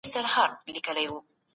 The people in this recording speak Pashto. د دغو طبقو پرمختګ د هېواد پرمختګ دی.